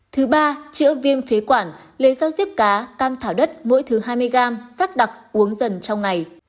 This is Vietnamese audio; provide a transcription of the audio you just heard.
thứ ba chữa viêm phế quản lấy rau diếp cá cam thảo đất mỗi thứ hai mươi gram sắc đặc uống dần trong ngày